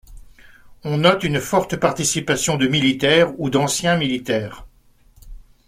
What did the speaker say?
On note une forte participation de militaires ou d'anciens militaires.